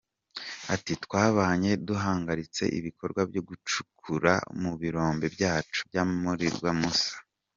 Ati “ Twabaye duhagaritse ibikorwa byo gucukura mu birombe byacu bya Mwurire na Musha.